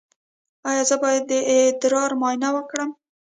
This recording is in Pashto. ایا زه باید د ادرار معاینه وکړم؟